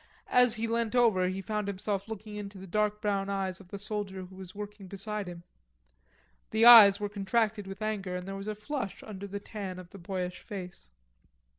As he leant over he found himself looking into the dark brown eyes of the soldier who was working beside him. The eyes were contracted with anger and there was a flush under the tan of the boyish face.